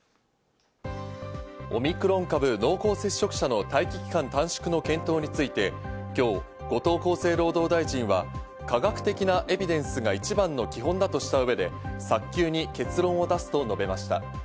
オミクロン株濃厚接触者の待機期間短縮の検討について、今日、後藤厚生労働大臣は、科学的なエビデンスが一番の基本だとした上で、早急に結論を出すと述べました。